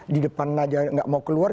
di depan saja tidak mau keluar